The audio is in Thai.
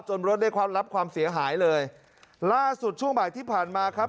รถได้ความรับความเสียหายเลยล่าสุดช่วงบ่ายที่ผ่านมาครับ